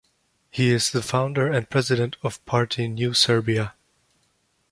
He is the founder and president of party New Serbia.